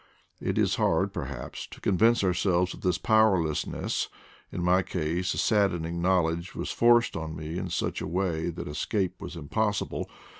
It is hard, per haps, to convince ourselves of this powerlessness ; in my case the saddening knowledge was forced on me in such a way that escape was impossible.